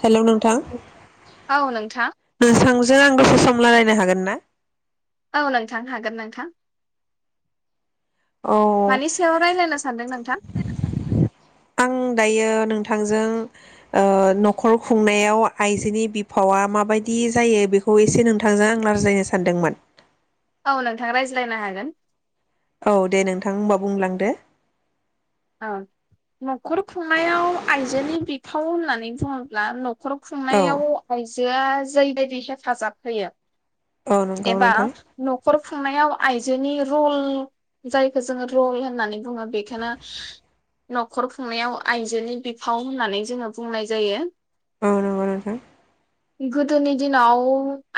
हेल' नोंथां औ नोंथां नोंथां जों आं दसे सम रायलायनो हागोन ना औ नोंथां हागोन नोंथां अ मानि सायाव रायज्लायनो सानदों नोंथां आं दायो नों थांजों ओ न'खर खुंनायाव आइजोनि बिफावा माबायदि जायो बेखौ एसे नोंथांजों आं रायज्लायनो सानदोंमोन औ नोंथां रायज्लायनो हागोन औ दे नोंथां होमबा बुंलांदो औ न'खर खुंनायाव आइजोनि बिफाव होननानै बुङोब्ला न' न'खर औ खुंनायाव आइ जोआ जैबायदि हेफाजाब होयो औ नंगौ एबा नोंथां न'खर खुंनायाव आइजोनि रल जायखो जोङो रल होननानै बुङो बेखोनो न'खर खुंनायाव आइजोनि बिफाव होननानै जोङो बुंनाय जायो अ नंग' नोंथां गोदोनि दिनाव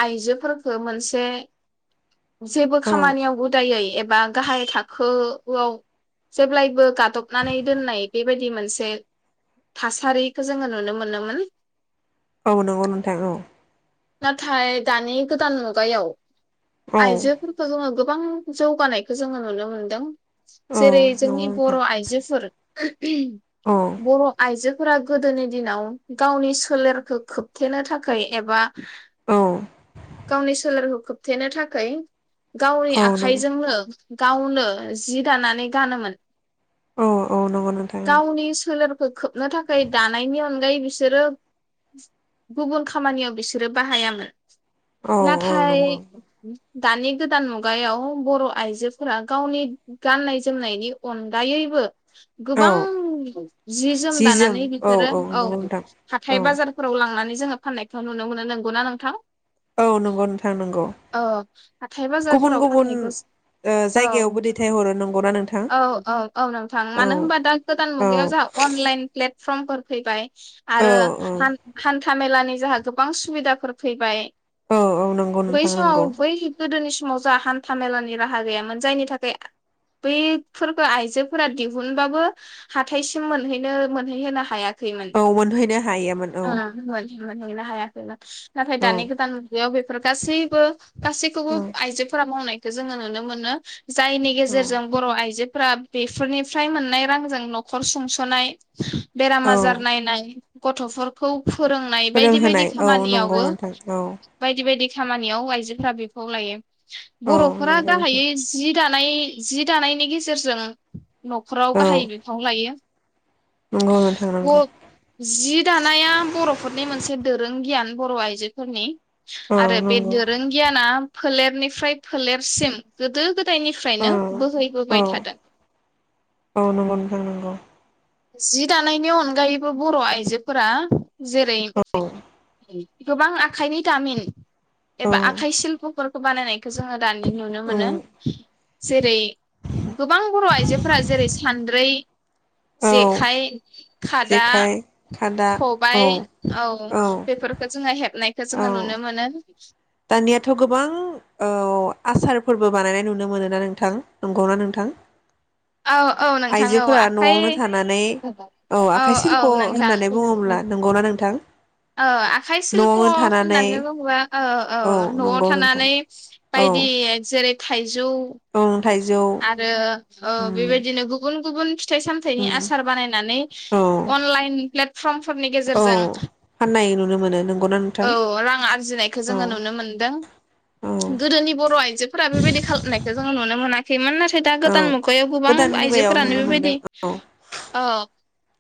आइजोफोरखो मोनसे जेबो औ खामानियाव उदायै ए बा गाहाय थाखोआव जेब्लायबो गादबनानै दोननाय बेबायदि मोनसे थासारिखो जोङो नुनो मोनोमोन औ नंगौ नोंथां औ नाथाय दानि गोदान मुगायाव औ आइजोफोरखौ जोङो गोबां जौगानायखो जोङो नुनो मोनदों औ जेरै नंगौ जोंनि नोंथां बर' आइजोफोर औ [inaudible] बर' आइजो फोरा गोदोनि दिनाव गावनि सोलेरखौ खोबथेनो थाखाय एबा औ गावनि सोलेरखौ खोबथेनो थाकै गावनि नंगौ आखाइजोंनो गावनो जि दानानै गानोमोन औ औ नंगौ नोंथां औ गावनि सोलेरखो खोबनो थाखाय दानायनि अनगायै बिसोरो गुबुन खामानियाव बि सोरो बाहायामोन औ औ नाथाय नंगौ दानि गोदान मुगायाव बर' आइजोफोरा गावनि गाननाय जोमनायनि अनगायैबो औ गोबां जि जोम दानानै बिसोरो औ हाथाय औ बाजारफोराव लांनानै जोहा फाननायखौ नुनो मोनो नोंगौना नोंथां औ नंगौ नोंथां नंगौ औ हाथाय गुबुन बाजारफोराव गुबुन फाननायखौसो ओ औ जायगायावबो दैथायहरो नंगौना नोंथां औ औ औ नोंथां औ मानो होनबा दा गोदान औ मुगायाव जोंहा अनलाइन प्लेट फ्रम फोर फैबाय औ आरो औ हान हान थामेलानि जोंहा गोबां गोबां सुबिदाफोर फैबाय औ औ नंगौ बै नोंथां समाव नंगौ बै गोदोनि सम समाव जोंहा हान्था मेलानि राहा गैयामोन जायनि थाखाय बैफोरखौ आइजोफोरा दिहुनबाबो हाथायसिम मोनहैनो मोनहैहोनो हायाखै खैमोन औ मोनहैनो हायोमोन औ [unintelligible] [unintelligible] नाथाय औ दानि गोदान मुगायाव बेखौ फोर गासैबो गासैखौबो औ आइजोफोरा मावनाय जोङो नुनो मोनो जायनि औ गेजेरजों बर' आइजो फोरा बेफोरनिफ्राय मोननाय रांजों न'खर सुंस'नाय बेराम औ आजार नायनाय गथ'फोरखौ फोरोंनाय बायदि बायदि फोरोंहोनाय औ नंगौ नोंथां औ बेबायदि खामानियाव आइजोफोरा बिफाव लायो औ बर'फोरा नंगौ नोंथां गाहायै जि जि दानाय जि दानायनि गेजेरजों न'खराव औ गाहाय बिफाव लायो नंगौ नोंथां नंगौ जि दानाया बर' फोरनि मोनसे दोरों गियान बर' आइजोफोरनि औ आरो बे नंगौ दोरों गियाना फोलेरनिफ्राय फोलेरसिम गोदो गोद औ फाइनिफ्रायनो औ बोहैबोबाय थादों औ नंगौ नोंथां नंगौ जि दानायनि अनगायैबो बर' आइजोफोरा जेरै गोबां आखाइनि दामिन औ एबा आखाइ सिल्प'फोरखौ बानायनायखौ जोङो दानि नुनो औ मोनो जेरै गोबां बर' आइजोफोरा जेरै सान्द्रै औ जेखाय खादा जेखाइ खादा औ खबाइ औ बेफोरखौ जोङो हेबनाय जोङो औ नुनो मोनो [inaudible] दानियाथ' गोबां आसारफोरबो बानायनाय नुनो मोनोना नोंथां नंगौना नोंथां औ औ नोंथां औ आइजोफोरा आखाइ न'आवनो थानानै औ आखाइ औ सिल्प' नोंथां होननानै बुङोब्ला नंगौना नोंथां आखाइ सिल्प' न'आवनो थानानै होननानै बुङोबा औ औ न'आव नंगौ नोंथां थानानै औ बायदि जेरै औ थाइजौ आरो उम बेबायदिनो गुबुन गुबुन फिथाइ सामथाइनि उम आसार बानायनानै औ अनलाइन प्लेटफर्मफोरनि औ गेजेरजों फाननाय नुनो मोनो नंगौना नोंथां औ रां आरजिनायखौ औ जोङो नुनो औ मोनदों गोदोनि बर' आइजोफोरा बेबायदि खालामनायखौ जोङो नुनो मोनाखै मोनाखैमोन दा औ गोदान मुगायाव गोबां गोदान मुगायाव आइजोफोरानो नुनो बेबायदि मोनदों औ औ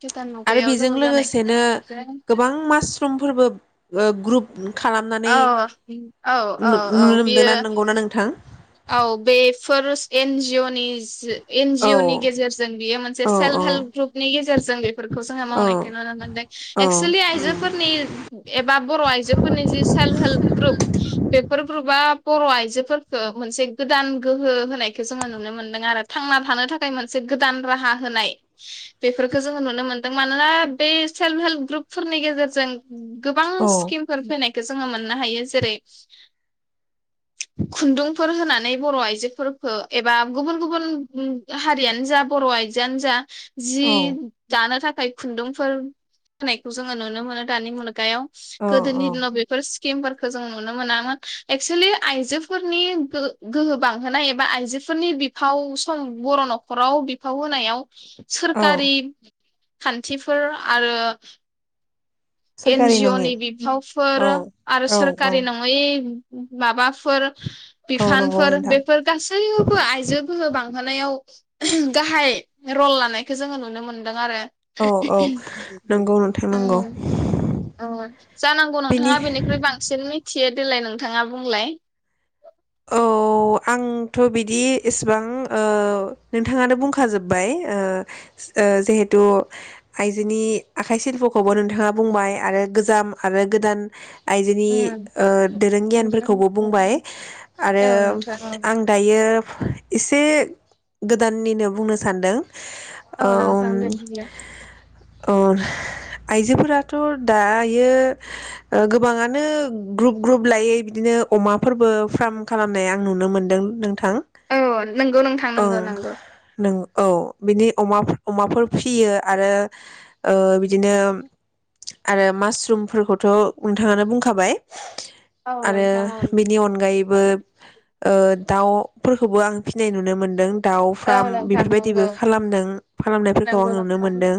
गोदान आरो मुगायाव बेजों जोनोम जानाय लोगोसेनो [unintelligible] गोबां मासरुमफोरबो ग्रुप खालामनानै औ औ औ नुनो औ मोनदोंना बेयो नंगौना नोंथां औ बेफोर एन जिअ नि एन औ जिअ नि गेजेरजों बियो मोनसे औ औ सेल्फ हेल्प ग्रुपनि गेजेर गेजेरजों बेफोर जोङो औ मावनायखौ नुनो मोनदों औ एकस'लि आइजोफोर स्नि एबा बर' आइजोफोरनि जि सेल्प हेल्प ग्रप बेफोर ग्रुपआ बर' आइजोफोरखौ मोनसे गोदान गोहो होनायखौ जोङो नुनो मोन्दों आरो थांना थानो थाखाय मोनसे गोदान राहा होनाय बेफोरखौ जोङो नुनो मोन्दों मानोना बे सेल्प हेल्प ग्रुपफोरनि गेजेरजों गोबां स्किमफोर फैनायखौ जोङो मोननो हायो जेरै खुन्दुंफोर होनानै बर' आइजोफोरखौ एबा गुबुन गुबुन हारियानो जा बर' आइजोआनो जा जि औ दानो थाखाय खुन्दुंफोर होनायखौ जोङो नुनो मोनो दानि मुगायाव औ गोदोनि दिनाव बेफोर स्किमफोरखौ जों नुनो मोनामोन एक्सुलि आइजोफोरनि गो गोहो बांहोनाय एबा आइजोफोरनि बिफाव सम बर' न'खराव बिफाव होनायाव औ सोरकारि खान्थिफोर आरो एन सोरखारि जिअ नङि नि बिबावफोर औ आरो औ औ सोरखारि नङै। माबाफोर औ नंगौ बिफानफोर नोंथां बेफोर गोस सैयोफो आइजोफो बांहोनायाव गाहाय रल लानायखौ जोङो नुनो मोनदों आरो औ औ नंगौ नोंथां नंगौ। उम अ जानांगौ बेनि नोंथाङा बेनिख्रुइ बांसिन मिथियो देलाय नोंथाङा बुंलाय औ आंथ' बिदि एसेबां ओ नोंथाङानो बुंखाजोब्बाय ओ ओ जिहेथु आइजोनि आखाइ सिल्पखौबो नोंथाङा बुंबाय आरो गोजाम आरो गोदान आइजोनि ओ दोरों गियानफोरखौबो बुंबाय आरो औ नोंथां औ आं दायो एस एसे गोदाननिनो बुंनो सानदों औ नोंथां ओम दे बुंलाय अ आइजोफोराथ' दायो ओ गोबाङानो ग्रुप ग्रुप लायै बिदिनो अमाफोरबो फार्म खालामनाय आं नुनो मोनदों नों औ नंगौ नोंथां नंगौ नंगौ। नों औ बिनि अमा अमाफोर फियो आरो ओ बिदिनो आरो मासरुमफोरखौथ' नोंथाङानो बुंखाबाय औ आरो नोंथां औ बिनि अनगायैबो ओ ओ दाउफोरखौबो आं फिनाय नुनो मोनदों दाउ औ फार्म नोंथां बेफोरबायदिबो नंगौ खालामदों खालामनायफोरखौ आं नंगौ नुनो नोंथां मोनदों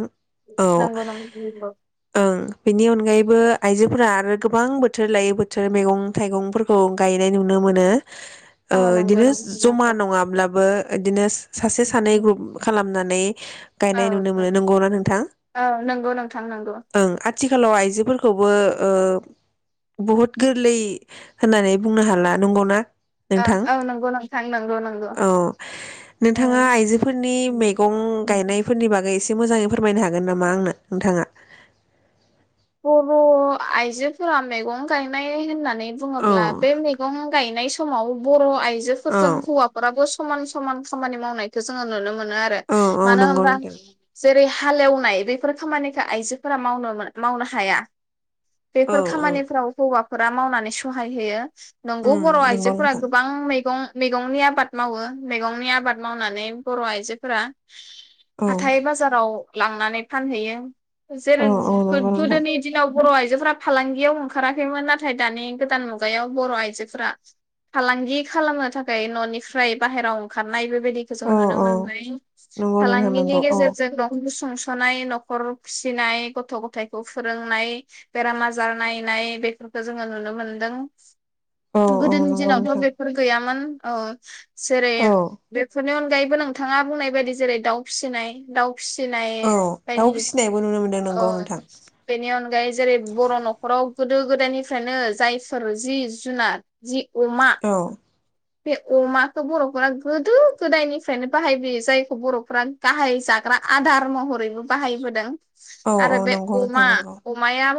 औ नंगौ नंगौ नंगौ ओं बेनि अनगायैबो आइजोफोरा आरो गोबां बोथोर लायै बोथोर मैगं थाइगंफोरखौ गायनाय नुनो मोनो ओ औ नंगौ बिदिनो नोंथां जमा नंगौ नङाब्लाबो बिदिनो सासे सानै ग्रुप खालामनानै औ गायनाय नुनो मोनो नोंगौना नोंथां औ नंगौ नोंथां नंगौ ओं आथिखालाव आइजोफोरखौबो ओ बुहुद गोरलै होननानै बुंनो हाला नंगौना औ नोंथां औ नंगौ नोंथां नंगौ नंगौ औ नोंथाङा आइजोफोरनि मैगं गायनायफोरनि बागै एसे मोजाङै फोरमायनो हागोन नामा आंनो नोंथाङा ओ बर' आइजोफोरा मैगं गायनाय होननानै औ बुङोब्ला बे मैगं गायनाय समाव बर' आय औ जोफोरजों हौवाफोरा बो समान समान खामानि मावनायखौ जोङो नुनो मोनो मोनो आरो औ औ मानो नंगौ होनबा नोंथां जेरै हालेवनाय बेफोर खामानिखौ आइजोफोरा मावनो मोना मावनो हाया औ बेफोर औ खामानिफ्राव हौवा फोरा मावनानै सहाय होयो नंगौ उम बर' नंगौ आइजोफोरा नोंथां गोबां मैगं मैगंनि आबाद मावो मैगंनि आबाद मावनानै बर' आइजोफोरा औ हाथाय बाजाराव लांनानै फानहैयो औ जेरै औ नंगौ नोंथां गोदोनि दिनाव बर' आइजोफोरा फालांगियाव ओंखाराखैमोन नाथाय दानि गोदान मुगायाव बर' आइजोफोरा फालांगि खालामनो थाखाय न'निफ्राय बाहेरायाव ओंखारनायबो बिदिखौ जों औ नुनो औ मोनबाय नंगौ नोंथां फालांगिनि नंगौ औ गेजेरजों [unintelligible] थानाय नखरफिसिनाय गथ गथाय फिथाइखौ फोरोंनाय बेराम आजार नायनाय बेफोरखौ जोङो नुनो मोनदों औ औ गोदोनि नंगौ दिनावथ' नोंथां बेफोर गैयामोन औ जेरै औ बेफोरनो अनगायैबो नोंथाङा बुंनाय बायदि जेरै दाउ फिसिनाय दाउ फिसिनाय औ दाउ बायदि फिसिनायबो नुनो मोनदों औ नोंगौ नोंथां बेनि अनगायै जेरै बर' न'खराव गोदो गोदायनिफ्रायनो जायफोर जि जुनार जि अमा औ बे अमाखौ बर'फोरा गोदो गोदायनिफ्रायनो बाहायबोयो जायखौ बर'फोरा गाहाय जाग्रा आदार महरैबो बाहायबोदों औ आरो औ बे नंगौ अमा नोंथां नंगौ अमाया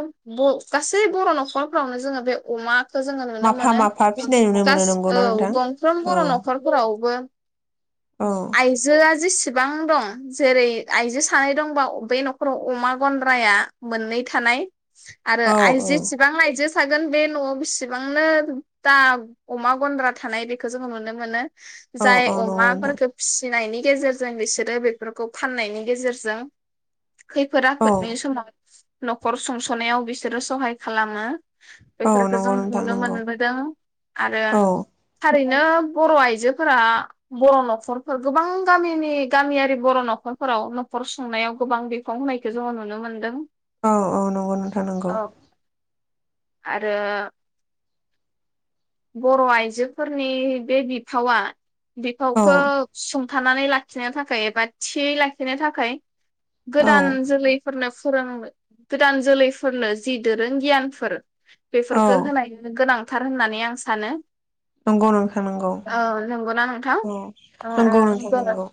गासै बर' न'खरफ्रावनो जोङो बे अमा खौ जोङो नुनो माफा मोनो माफा फिनाय नुनो मोनो गास औ नंगौना नोंथां गंफ्रोम औ बर' न'खरफोरावबो औ आइजोआ जेसेब इसेबां दं जेरै आइजो सानै दंबा बे न'खराव अमा गन्द्राया मोननै थानाय आरो औ आइजोसेबां आइजो थागोन बे न'आव बेसेबांनो दा अमा गन्द्रा थानाय बेखौ जोङो नुनो मोनो औ जाय औ नंगौ नोंथां अमाफोरखो फि फिनायनि गेजेरजों बिसोरो बेफोरखौ फाननायनि गेजेरजों खैफोद औ आफोदनि समाव न'खर सुंस'नायाव बिसोरो सहाय खालामो औ बेफोरखौ जों नंगौ नोंथां नुनो नंगौ मोनबोदों आरो औ ओरैनो बर' आइजोफोरा बर' न'खरफोर गोबां गामिनि गामियारि बर' न'खरफोराव न'खर सुंनायाव गोबां बिफां होनायखौ जोङो नुनो मोनदों औ औ नंगौ नोंथां नंगौ औ आरो बर' आइजोफोरनि बे बिफावा औ बिफावखौ सुंथानानै लाखिनो थाखाय एबा थियै लाखिनो थाखाय औ गोदान जोलैफोरनो फोरों गोदान जोलैफोरनो जि दोरों गियानफोर औ बेफोरखौ होनाय गोनां थार होननानै आं सानो नंगौ नोंथा नंगौ औ नंगौना नोंथां औ ओ नंगौ नोंथा ओ नंगौ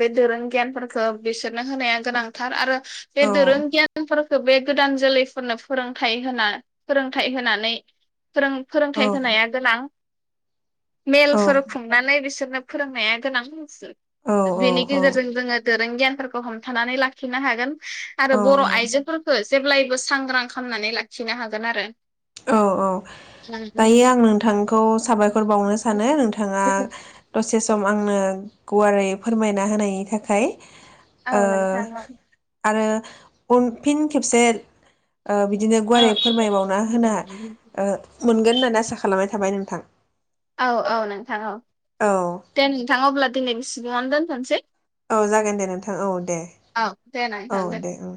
बे दोरों गियानफोरखौ बिसोरनो होनाया गोनांथार आरो बे औ दोरों गियानफोरखौ बे गोदान जोलैफोरनो फोरोंथाय होना फोरोंथाइ होनानै फोरों औ फोरोंथाय होनाया गोनां औ मेलफोर खुंनानै बिसोरनो फोरोंनाया गोनांसो औ औ बेनि औ गेजेरजों जोङो दोरों गियानफोरखौ हमथानानै लाखिनो हागोन औ आरो बर' आइजोफोरखौ जेब्लायबो सांग्रां खालामनानै लाखिनो हागोन आरो औ औ दायो आं नोंथांखौ साबायखर बाउनो सानो नोंथाङा दसे सम आंनो गुवारै फोरमायना होनायनि थाखाय औ नोंथां आरो उनफिन खेबसे बिदिनो औ गुवारै फोरमायबावना होना ओ मोनगोन होननानै आसा खालामनाय थाबाय नोंथां औ औ नोंथां औ औ दे नोंथाङा अब्ला दिनै बेसिम दोनथ' नोसै औ जागोन दे नोंथां औ दे औ दे औ नोंथां दे दें